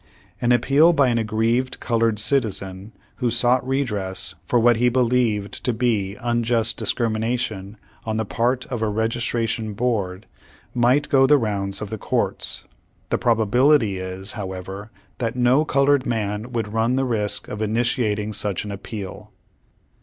"' An appeal by an aggrieved colored citizen, who sought redress for v/hat he believed to be unjust discrimination on the part of a Registration Board, might go the rounds of the Courts. The probability is, however, that no colored man would run the risk of initiating such an appeal.